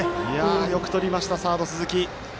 よくとりましたサード、鈴木。